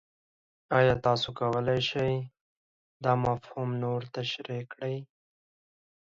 ایا تاسو کولی شئ دا مفهوم نور تشریح کړئ؟